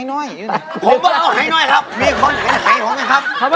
หายไงนะครับ